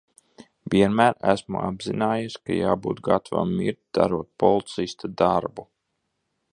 Vienmēr esmu apzinājies, ka jābūt gatavam mirt, darot policista darbu.